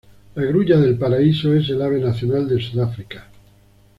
La grulla del paraíso es el ave nacional de Sudáfrica.